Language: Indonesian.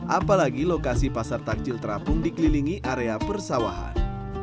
apalagi lokasi pasar takjil terapung dikelilingi area persawahan